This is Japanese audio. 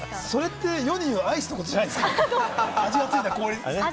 それって世に言うアイスのことじゃないですか？